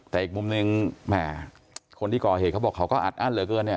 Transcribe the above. แต่อีกมุมหนึ่งแหมคนที่ก่อเหตุเขาบอกเขาก็อัดอั้นเหลือเกินเนี่ย